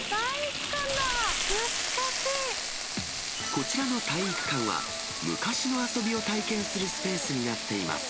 こちらの体育館は、昔の遊びを体験するスペースになっています。